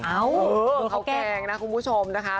โอ้โหเตี๋ยวเขาแกล้งนะคุณผู้ชมนะคะ